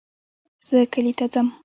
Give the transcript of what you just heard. زه کلي ته ځم